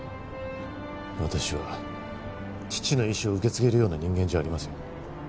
私は父の遺志を受け継げるような人間じゃありません。